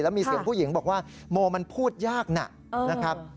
มีเสียงผู้หญิงบอกว่าโมมันพูดยากหนักนะครับ